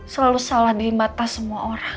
selalu salah di mata semua orang